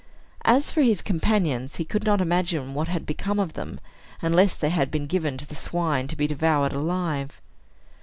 As for his companions, he could not imagine what had become of them, unless they had been given to the swine to be devoured alive.